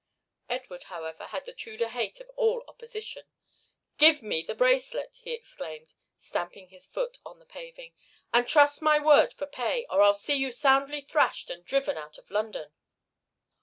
Edward, however, had the Tudor hate of all opposition. "Give me the bracelet!" he exclaimed, stamping his foot on the paving. "And trust my word for pay, or I'll see you soundly thrashed and driven out of London!"